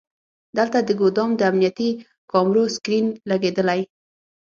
دلته د ګودام د امنیتي کامرو سکرین لګیدلی.